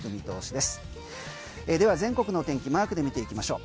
では全国の天気マークで見ていきましょう。